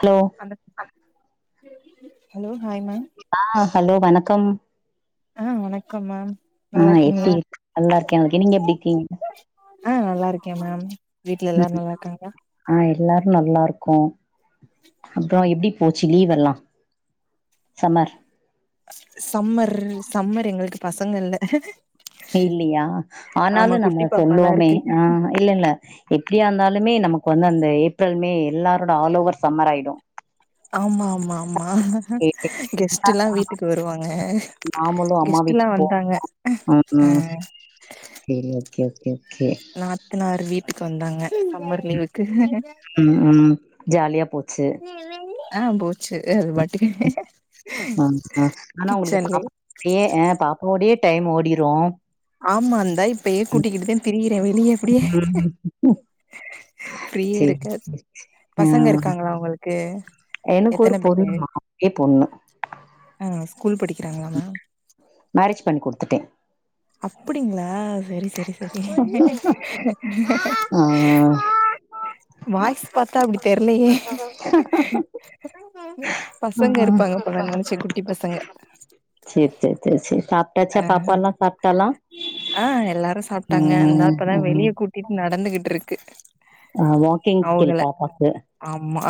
க்லோ hello hi ma'am ஆ hello வணக்கம் ஆ வணக்கம் மேம் ஆ நல்லா எப்படி இருக்கீங்களா இருக் நல்லா இருக்கே அதுக்கு நீங்க எப்டி இருக்கீங் ஆ நல்லா இருக்கே மேம் வீட்டுல எல்லாரு ம் நல்லா இருக்காங்களா ஆ எல்லாரு நல்லா இருக்கோ அப்புறோ எப்டி போச்சு லீவ் எல்லா சமர் சம்மர் சம்மர் எங்களுக்கு பசங்க இல்ல இல்லையா ஆமா ஆனாலு நம்ம குட்டி பாப்பா தா சொல்லுவமே இருக்கு ஆ இல்ல இல்ல எப்படியா இருந்தாலுமே நமக்கு வந்து அந்த ஏப்ரல் மே எல்லாரோட ஆல் ஓவர் சம்மர் ஆயிடு ஆமா ஆமாமாமா கெஸ்ட் எல்லா வீட்டுக்கு வருவாங்க நாமளு அம்மா கெஸ்ட்ட்லா வீட்டுக்கு போ வந்தாங்க அ சேரி ஓகே ஓகே கே எல்லாறு வீட்டுக்கு வந்தாங்க சம்மர் லீவுக்கு ம் ம் ஜாலியா போச்சு ஆ போச்சு ஏது வாட்டுக்கு ஆனா உங்களுக்கு பாப்பாவோடே ஆ பாப்பாவோடயே டைம் ஓடிரூ ஆமா இந்தா இப்ப ஏ கூட்டிக்கிட்டுத திரியிறே வெளியே எப்டியே ஃபிரீயே சேரி இருக்காத் ஆ பசங்க இருக்காங்களா உங்களுக்கு எனக்கு ஒரு எத்தன பேரு பொண்ணு மா ஒரே பொண்ணு ஆ ஸ்கூல் படிக்கிறாங்களாமா மேரேஜ் பண்ணி கொடுத்துட்டே அப்படிங்களா செரி செரி ஸ் சரி ஆ வாய்ஸ் பாத்தா அப்டி தெர்லயே பசங்க இருப்பாங்க போல நெனச்ச குட்டி பசங்க சேர்சேர் சேர் சேர் சாப் ஆ டச்சா பாப்பாலா சாப்ட்டலா ஆ ம் திட் நடந்துகிட்ருக்கு ஆ வாக்கிங் ஸ்கில் அவுகல பாப்பாக்கு ஆமா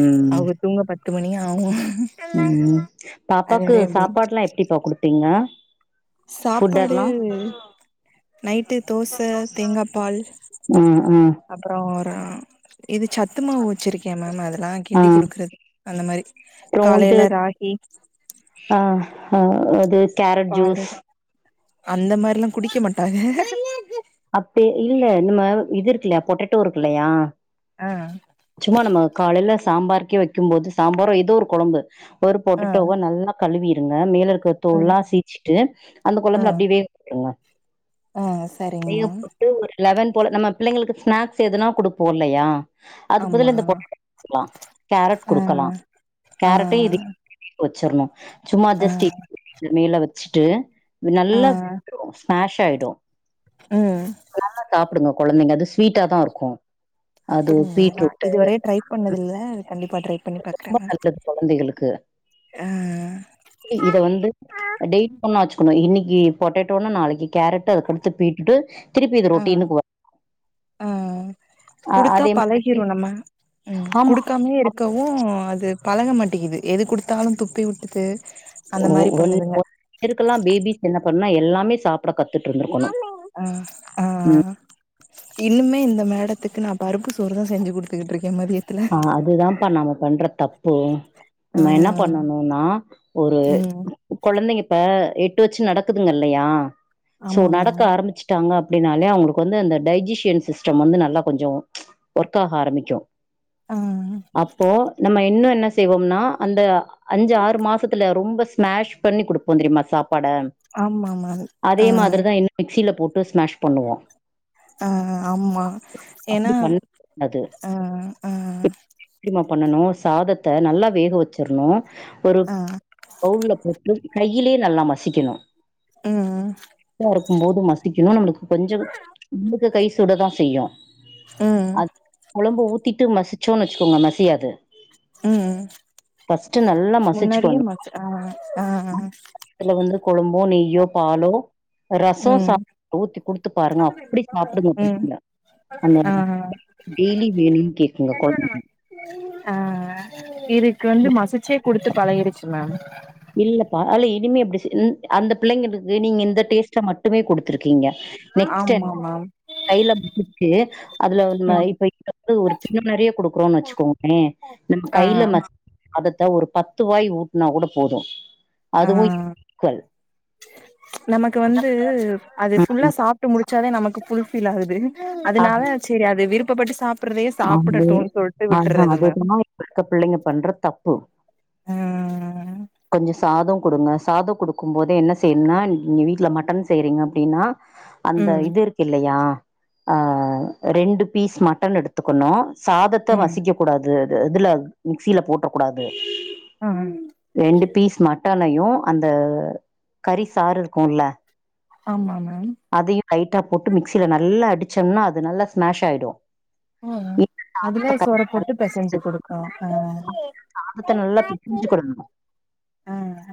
ம் அவு தூங்க பத்து மணி ஆவு ம் அது பாப்பாக்கு வரையு அப்டி சாப்பாடுலா எப்டிப்பா குடுப்பீங்க சாப்பாடு ஃபுட்டெல்லா நைட்டு தோச தேங்கா பால் ம் ம் அப்றோ ஒரு இது சத்து மாவு வச்சிருக்கே மேம் அதெல்லா ஆ கிண்டி குடுக்குறது அந்த மாரி அப்றோ இது காலையில ராகி ஆ ஹா அதேஸ் பால்ட்ரடு அந்த மாரிலா குடிக்க மாட்டாக அப்பே இல்ல நம்ம இது இருக்குலயா பொட்டேட்டோ இருக்குலையா ஆ சும்மா நம்ம காலையில சாம்பார்கே வைக்கும் போது சாம்பாரோ ஏதோ ஒரு கொழம்பு ஒரு ஆ பொட்டேட்டோவ நல்லா கழுவிருங்க மேல இருக்குற தோல் ம் லா சீச்சிட்டு அந்த கொழம்புல அப்டியே வேக விட்ருங்க அ வேகப் போட்டு ஒரு லெவன் போல நம்ம பிள்ளைங்களுக்கு ஸ்நாக்ஸ் எதுனா குடுப்போ இல்லயா அதுக்கு ஆமா பதிலா இந்த பொட்டேட்டோவ குடுக்கலாம் கேரட் ஆ குடுக்கலாம் ஆ கேரட்ட இது வச்சிர்ணும் சும்மா ஆ ஜஸ்ட் மேல வச்சுட்டு ஆ நல்லா ஸ்மெஷ் ஆயிடும் ம் நல்லா சாப்டுங்க கொழந்தைங்க அது ஸ்வீட்டா தா இருக்கும் அப்டிங்களா நா இதுவரை ட்ரை பண்ணது இல்ல கண்டிப்பா ட்ரை பண்ணி பாக்குறே ரொம்ப நல்லது கொழந்தைங்களுக்கு அ இத வந்து டெய்லி ஒண்ணா வச்சுக்கணும் இன்னிக்கி பொட்டேட்டோனா நாளைக்கி கேரட்டு அதுக்கடுத்து பீட்ரூட்டு திருப்பி அது ஆ ஆ ரூட்டினுக்கு வ ஆ அ குடுத்தா அதே மாதிரி பழகிரும் நம்ம உம் ஆமா குடு க்காமே அப் இருக்கவும் அது பழக மாட்டேங்கிது எது குடுத்தாலும் துப்பி விட்டுது அந்த ஒ மாரி ஒன் பண்ணுதுங்க ஒன் இயர்க்கெல்லாம் பேபிஸ் என்ன பண்ணுனா எல்லாமே சாப்ட கத்துட்டு இருந்துருக்கணும் அ ஆ இன்னுமே இந்த மேடத்துக்கு நா பருப்பு சோறு தா செஞ்சு குடு த்துகுட்ருக்கே மதிய ஆ அது தான் பா நாம பண்ற தப்பு நம்ம என்ன ஆ பண்ணணும்னா ஒரு ம் கொழந்தைங்க இப்ப எட்டு வச்சு நடக்குதுங்க இல்லையா சோ ஆமா நடக்க மேம் ஆரம்பிச்சு ட்டாங்க அப்டின்னாலே அவுங்குளுக்கு வந்து அந்த டைஜஸன் சிஸ்டம் வந்து நல்லா கொஞ்சோ ஒர்க் ஆக ஆரம்பிக்கும் ஆ அப்போ நம்ம இன்னும் என்ன செய்வோம்னா அந்த அஞ்சு ஆறு மாசத்துல ரொம்ப ஸ்மாஷ் பண்ணி குடுப்போம் தெரியுமா சாப்பாட ஆமா மேம் அதே ஆ மாதிரி தான் என்ன மிக்சில போட்டு ஸ்மாஷ் பண்ணுவோம் ஆ ஆமா ஏன்னா அப்படி பண்ணக்கூடாது. அ ஆ எப்டிமா பண்ணணும் சாதத்த நல்லா வேக வச்சிற்ணும் ஒரு ஆ பவுல்ல போட்டு கையிலியே நல்லா மசிக்கணும் ம் சூடா இருக்கும் போது மசிக்கணும் நம்முளுக்கு கொஞ்சோ உங்க கை சுட தா செய்யும் ம் அது கொழம்பு ஊத் திட்டு மசிச்சோனு வச்சுகோங்க மசியாது உம் ஃபர்ஸ்ட்டு நல்லா மசிச்சுக்கணும். முன்னாடியே மச ஆ ஆ அதுல வந்து கொழம்போ நெய்யோ பாலோ ரசோ ம் சாப்பாடுல ஊத்தி குடுத்து பாருங்க அப்டி சாப்டுடுங்க ம் பிள்ளைங்க அந்த ஆ டெய்லி வேனி ஆ இதுக்கு வந்து மசிச்சே குடுத்து பழகிடுச் சு மேம் இல்லப்பா அதுல இனிமே அப்டி செஞ்சு அந்த பிள்ளைங்களுக்கு நீங்க இந்த டேஸ்ட்ட மட் டுமே குடுத்துருக்கீங்க நெக்ஸ்ட் ஆமா மேம் [inaudible] கைல பு அதுல ம் இப்ப இது வந்து ஒரு கிண்ணோ நிறைய குடுக்குறோன்னு வச்சுக்கோங்களே நம்ம ஆ கையில மசி அதத்தா ஒரு பத்து வாய் ஊட்டுனா கூட போது ஆ அதுவு ஈக்குவல் நமக்கு வந்து அது ஃபுல்லா சாப் சாப்ட்டு முடிச்சாதா நமக்கு ஃபுல்ஃபில் ஆகுது அது அதனால சேரி அத விருப்பப்பட் சாப் சாப்டறதயே ஆமா. சாப்டட்டுனு சொல்ட்டு ஆஹா விட்றது மேம் அதுதா இப்ப இருக்க பிள்ளைங்க பண்ற ஆ கொஞ்ச சாதொ குடுங்க சாத குடுக்குபோது என்ன செய்னும்னா நீங்க வீட்டுல மட்டன் செய்றீங்க அப்டினா அந்த ம் இது இருக்குயக்ஷ தில்லையா ஆ ரெண்டு பீஸ் மட்டன் எடுத்துக்கணு சாதத்த ம் மசிக்க கூடாது இதுல மிக்சில போட்றக் கூடாது ஆ ரெண்டு பீஸ் மட்டனையு அந்த கறி சாறு இருக்குல்ல ஆமா மேம் அதையு லைட்டா போட்டு மிக்சில நல்லா அடிச்சம்னா அது நல்லா ஸ்மாஷ் ஆயிடு ம் இந்த சாதத்த அதுல க சோற போட்டு பெசஞ்சு கொடுக்கு ஆ மட்டன நல்லா பிச்சுகொடணு ஆஅ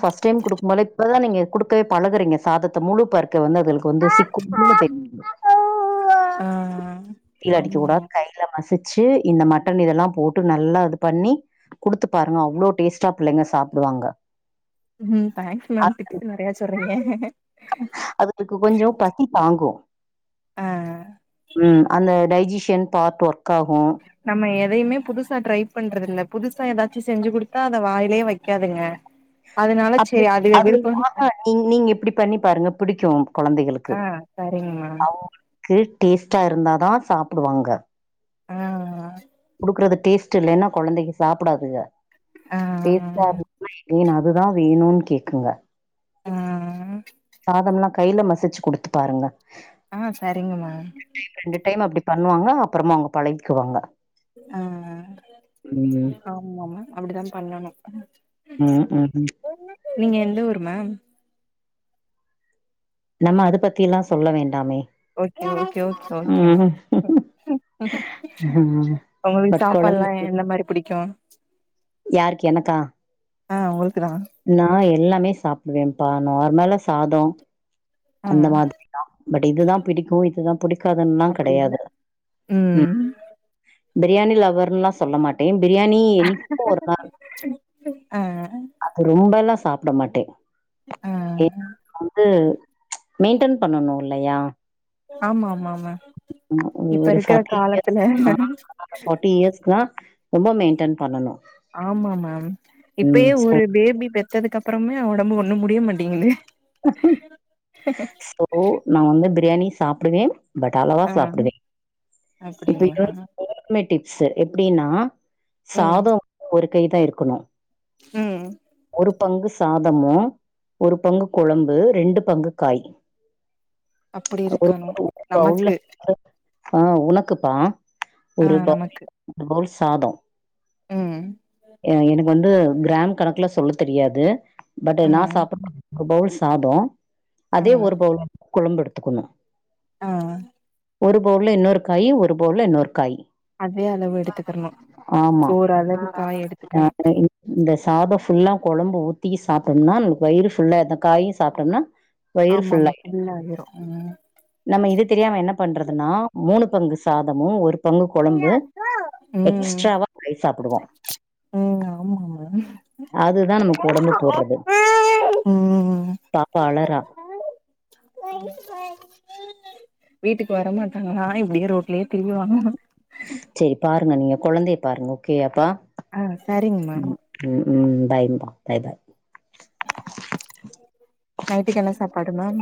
ஃப்ர்ஸ்ட் டைம் குடுக்குபோது இப்பதான் நீங்க குடுக்கவே பழகுறீங்க சாதத்தை முழுப்பக் க வந்து அதுகளுக்கு ஆ வந்து சிக்குனு தெரியு [inaudible] மிக்ஸில அடிக்க கூடாது ஆமா கையில மசிச்சு இந்த மட்டன் இதெலாம் போட்டு நல்லா இது பண்ணி குடுத்து பாருங்க அவ்ளோ டேஸ்ட்டா புள்ளைங்க சாப்டுவாங்க ம் தேங்க்ஸ் மேம் டிப்ஸ் நெறைய சொல்றீங்க அதுக்கு கொஞ்சோ பசி தாங்கு ஆ ம் அந்த டஜிஷியன் பார்ட் ஒர்க் ஆகு நம்ம எதயுமே புதுசா ட்ரை பண்றது இல்ல புதுசா ஏதாசும் செஞ்சு குடுத்தா அதை வாயில வைக்காதுங்க [inaudible] அப்டி சேரி அது விருப்பம் ஆஹா நீ நீங்க இப்டி பண்ணி பாருங்க பிடிக்கு கொழந்தைகளுக்கு சரிங்மா கே டேஸ்ட்டா இருந்தாதா சாப்டுவாங்க ஆ குடுக்கறது டேஸ்ட் இல்லனா கொழந்தைங்க சாப்டாதுக ஆ டேஸ்ட்டாருக் ஏன்ன அதுதான் வேணுன்னு கேக்குங்க ஆ சாதம்லாம் கையில மசிச்சு குடுத்து பாருங்க ஆ செரிங்கமா ஒரு டைம் ரெண்டு டைம் அப்டி பண்வாங்க அப்றமா அவங்க பழகிகுவாங்க ஆ ஆமாமா அப்டிதான பண்ணணு ம் ம் ம் நீங்க எந்த ஊரு மேம் நம்ம அது பத்திலாம் சொல்ல வேண்டாமே ஓகே ஓகேஓகேஓகே மா ம் ம் உங்ளுக்கு பட் சாப்பாடுலாம் எந்த மாரிபுடிக்கு யார்க்கு எனக்கா ஆ உங்ளுக்கு தா நா எல்லாமே சாப்டுவேன்ப்பா நார்மலா சாதம் ஆ அந்த மாரி தான் பட் இதுதான் புடிக்கும் இதுதான் புடிக்காதுன்னல்லாம் அப்டி இல்ல கெடையாது ம் பிரியாணி லவவர்னுல்லாம் சொல்ல மாட்டேன் பிரியாணி என்னைக்கும் ஒரு நாள் ஆ அது ரொம்பல்லாம் சாப்ட மாட்டேன் ஆ இப்ப வந்து மெயின்டன் பண்ணனும்லையா ஆமா ஆமா ஆமா ம் இப்ப இருக்கிற காலத்துல நாங்க ஃபார்ட்டி இயர்ஷ்க்குதா ரொம்ப மெயின்டென் பண்ணனு ஆமா மேம் இப்பயே ஒரு பேபி பெ த்ததுக்கு அப்புறமே உடம்பு ஒண்ணும் முடிய மாட்டிங்குது ஓ நா வந்து பிரியாணி சாப்பிடுவேன் பட் அளவா ஆ சாப்பிடுவே இப்ப அப்டிங்களா இன்னொரு மே டிப்ஸ் எப்படின்னா ம் சாதோ ஒரு கை தா இருக்கணு ம் ஒரு பங்கு சாதமு ஒரு பங்கு குழம்பு ரெண்டு பங்கு காய் அப்டி இருக்கணு ஒரு பௌல்ல நமக்கு வந்து ஆ உனக்குபா ஆ ஒரு பவுல் நமக்கு ஒரு பவுல் சாதோ ம் எ எனக்கு வந்து கிராம் கணக்குல சொல்ல தெரியாது பட் ஆ நா சாப்புடு ஒரு பவுல் சாதோ ஆ அதே ஒரு பவுல் வந்து குழம்பு எடுத்துக்கணு ஆ ஒரு பவுல்ல இன்னொரு காய் ஒரு பவுல்ல இன்னொரு காய் அதே அளவு எடுத்துக்கணு ஆமா சோறு அளவு காய் ஆ எடுத்துக்கணு இந்த சாதம் ஃபுல்லா குழம்பு ஊத்தி சாப்பிட்டம்னா நம்ளுக்கு வயிறு ஃபுல்லா இந்த காயும் சாப்ட்டம்னா ஆமா ஆமா ஃபுல் ஆயிரும் நம்ம இது தெரியாம என்ன பண்றதுனா மூணு பங்கு சாதமு ஒரு பங்கு கொழம்பு ம் எக்ஸ்ட்ராவா காய் சாப்பிடுவோ ம் ஆமா மேம் அதுதான் நமக்கு ஒடம்பு போட்றது ம் பாப்பா அழரா வீட்டுக்கு வர மாட்டாங்களா இப்படியே ரோட்லயே திரிவாங்களா செரி பாருங்க நீங்க குழந்தைய பாருங்க ஓகோ ஆப்பா ஆ சரிங்க மேம் ம் ம் பாய்மா பாய் பாய் நைட்டுக்கு என்ன சாப்பாடு மேம்